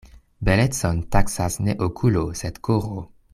Belecon taksas ne okulo sed koro.